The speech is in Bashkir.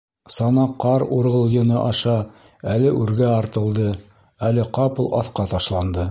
Сана ҡар урғылйыны аша әле үргә артылды, әле ҡапыл аҫҡа ташланды.